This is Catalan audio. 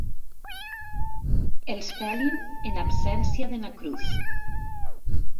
Els pelin en absència de na Cruz.